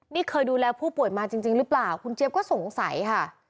นี่เคยดูแลผู้ป่วยมาจริงหรือเปล่าคุณเจี๊ยบก็สงสัยค่ะ